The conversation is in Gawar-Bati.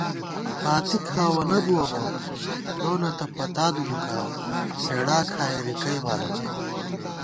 باتی کھاوَنہ بُوَہ بہ، لونہ تہ پَتا دُلُکا، ہېڑا کھائی رِکَئ بالہ